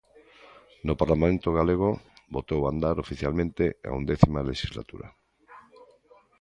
No Parlamento galego botou a andar oficialmente a undécima lexislatura.